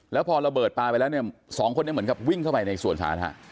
แล้วพอระเบิดปลาไปแล้วเนี่ยสองคนนี้เหมือนกับวิ่งเข้าไปในสวนสาธารณะ